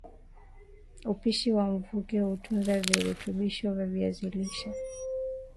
Upishi wa mvuke hutunza virutubisho vya viazi lishe